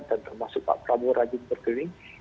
dan termasuk pak prabowo rajin berkeliling